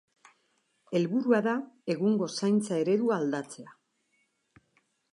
Helburua da egungo zaintza eredua aldatzea.